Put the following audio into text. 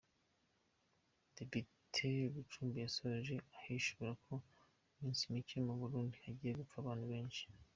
Depite Bucumi yasoje ahishura ko mu minsi mike mu Burundi hagiye gupfa abantu benshi.